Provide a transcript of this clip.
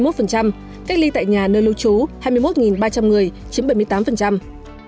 cách ly tại nhà nơi lưu trú hai mươi một ba trăm linh người chiếm hai mươi tám người chiếm hai mươi tám người